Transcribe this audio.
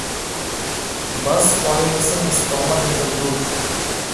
Buzz pollination is common in the group.